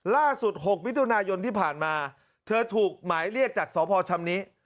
ล่าสุด๖วิทยุนายนที่ผ่านมาเธอถูกหมายเรียกจากสพชำนี้